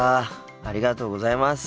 ありがとうございます。